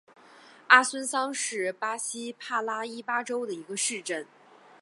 阿孙桑是巴西帕拉伊巴州的一个市镇。